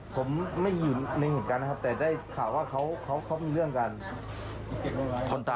ผมไม่อยู่ในเหตุการณ์นะครับแต่ได้ข่าวว่าเขามีเรื่องกัน